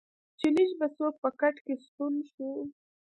چې لږ به څوک په کټ کې ستون شو.